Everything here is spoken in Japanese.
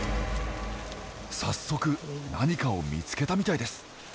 早速何かを見つけたみたいです！